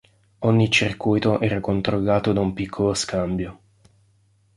Ogni circuito era controllato da un piccolo scambio.